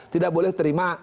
tidak boleh terima